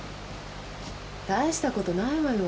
たいしたことないわよ。